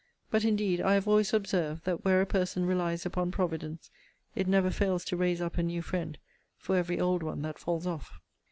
But indeed I have always observed, that where a person relies upon Providence, it never fails to raise up a new friend for every old one that falls off.